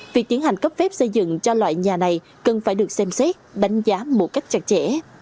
việc tiến hành cấp phép xây dựng cho loại nhà này cần phải được xem xét đánh giá một cách chặt chẽ